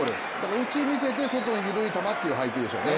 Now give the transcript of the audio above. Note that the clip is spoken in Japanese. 内に見せて外に広い球という配球でしょうね。